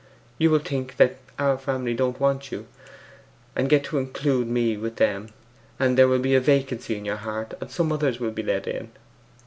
You will think that our family don't want you, and get to include me with them. And there will be a vacancy in your heart, and some others will be let in.